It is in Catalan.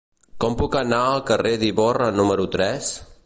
Com puc anar al carrer d'Ivorra número tres?